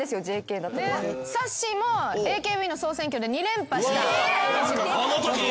さっしーもＡＫＢの総選挙で２連覇した。